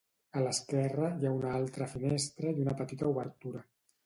A l'esquerra hi ha una altra finestra i una petita obertura.